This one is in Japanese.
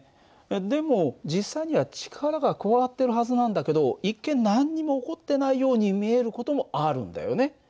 でも実際には力が加わってるはずなんだけど一見何にも起こってないように見える事もあるんだよね。